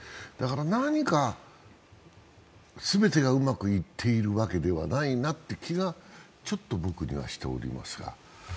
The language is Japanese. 何か、全てがうまくいっているわけではないなという気が僕にはしていますが。